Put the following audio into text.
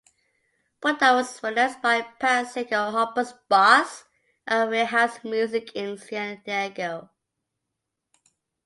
"Buddha" was financed by Pat Secor, Hoppus' boss at Wherehouse Music in San Diego.